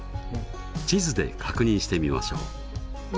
地図で確認してみましょう。